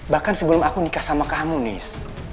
bahkan sebelum aku nikah sama kamu nih